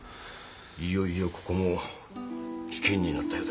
いよいよここも危険になったようだな。